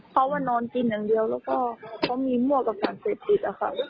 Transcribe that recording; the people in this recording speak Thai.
เขามานอนกินอย่างเดียวแล้วก็เขามีมั่วกับสารเสพติดอะค่ะ